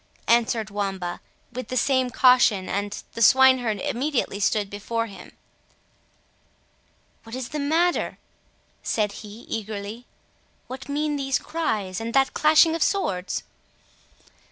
answered Wamba, with the same caution, and the swineherd immediately stood before him. "What is the matter?" said he eagerly; "what mean these cries, and that clashing of swords?"